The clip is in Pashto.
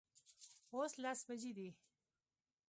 اوس لس بجې دي